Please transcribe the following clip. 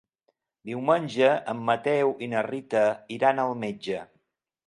Diumenge en Mateu i na Rita iran al metge.